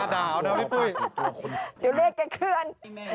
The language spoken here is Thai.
ชื่นใจแก่เคือน